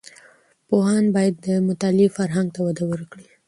پوهاند باید د مطالعې فرهنګ ته وده ورکړي.